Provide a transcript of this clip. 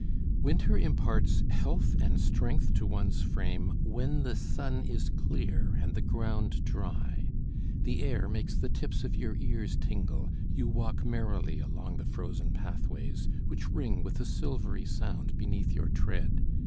Winter imparts health and strength to one's frame when the sun is clear and the ground dry. The air makes the tips of your ears tingle, you walk merrily along the frozen pathways, which ring with a silvery sound beneath your tread.